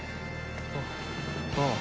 あっああ。